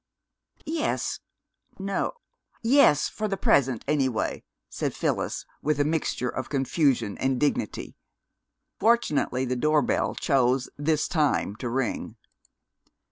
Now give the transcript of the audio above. "Yes no yes for the present, any way," said Phyllis, with a mixture of confusion and dignity. Fortunately the doorbell chose this time to ring.